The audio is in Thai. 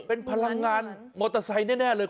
เป็นพลังงานมอเตอร์ไซค์แน่เลย